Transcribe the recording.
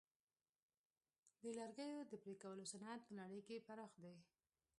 د لرګیو د پرې کولو صنعت په نړۍ کې پراخ دی.